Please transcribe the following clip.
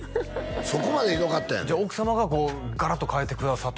そこまでひどかったんやでじゃあ奥様がこうガラッと変えてくださった